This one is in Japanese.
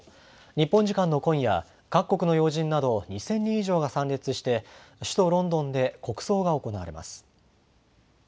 日本時間の今夜、各国の要人など２０００人以上が参列して、首都ロンドンで国葬が行われます。